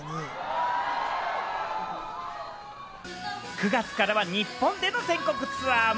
９月からは日本での全国ツアーも。